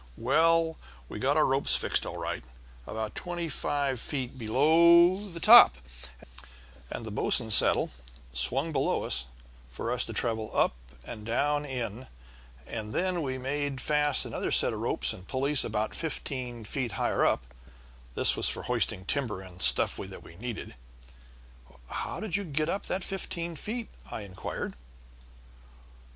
Well, we got our ropes fixed all right, about twenty five feet below the top, and the 'bosun's saddle' swung below for us to travel up and down in, and then we made fast another set of ropes and pulleys about fifteen feet higher up; this was for hoisting timber and stuff that we needed." "How did you get up that fifteen feet?" I inquired.